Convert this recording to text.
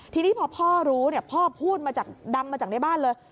ทีนี้พอพ่อรู้พ่อพูดมาจากดังมาจากในบ้านเลย